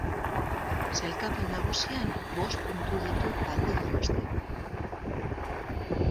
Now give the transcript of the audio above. Sailkapen nagusian, bost puntu ditu talde donostiarrak.